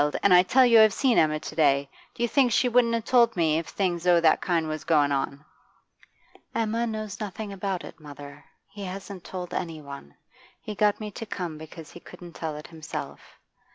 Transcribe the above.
And I tell you I have seen Emma to day. Do you think she wouldn't 'a told me if things o' that kind was goin' on?' 'Emma knows nothing about it, mother. He hasn't told any one. He got me to come because he couldn't tell it himself.